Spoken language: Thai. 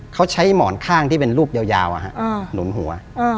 เขาใช้หมอนข้างที่เป็นรูปยาวหนุนหัว